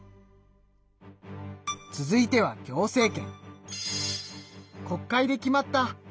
続いては行政権。